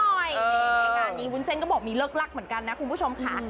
รายการนี้วุ้นเส้นก็บอกมีเลิกลักเหมือนกันนะคุณผู้ชมค่ะ